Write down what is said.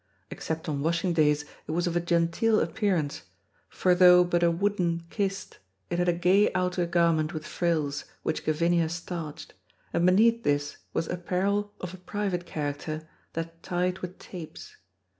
Except on washing days it was of a genteel appearance, for though but a wooden kist, it had a gay outer garment with frills, which Gavinia starched, and beneath this was apparel of a private character that tied with tapes.